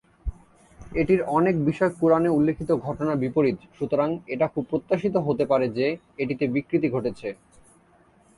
এটির অনেক বিষয় কুরআনে উল্লেখিত ঘটনার বিপরীত, সুতরাং এটা খুব প্রত্যাশিত হতে পারে যে, এটিতে বিকৃতি ঘটেছে।